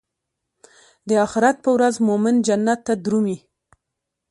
د اخرت پر ورځ مومن جنت ته درومي.